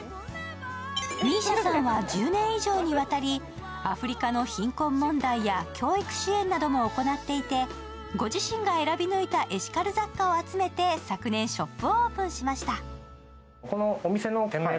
ＭＩＳＩＡさんは１０年以上にわたり、アフリカの貧困問題や教育支援なども行っていてご自身が選び抜いたエシカル雑貨を集めて昨年、ショップをオープンしました。